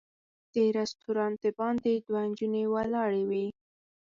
د رسټورانټ د باندې دوه نجونې ولاړې وې.